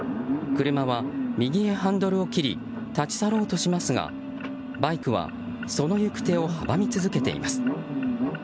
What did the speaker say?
車は右へハンドルを切り立ち去ろうとしますがバイクは、その行く手を阻み続けています。